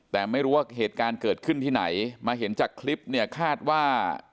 แต่ไม่รู้ว่าเหตุการณ์เกิดขึ้นที่ไหนมาเห็นจากคลิปเนี่ยคาดว่า